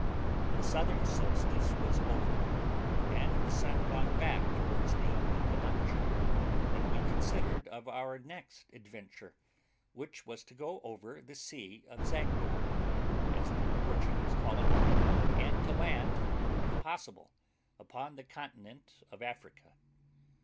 The southern solstice was over, and the sun gone back towards the equinoctial, when we considered of our next adventure, which was to go over the sea of Zanguebar, as the Portuguese call it, and to land, if possible, upon the continent of Africa.